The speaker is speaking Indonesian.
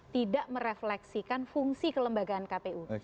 tidak merefleksikan fungsi kelembagaan kpu